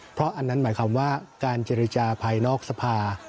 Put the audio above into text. เพราะอันนั้นหมายความว่าการเจรจาภายนอกสภา